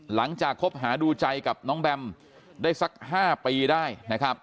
คบหาดูใจกับน้องแบมได้สัก๕ปีได้นะครับ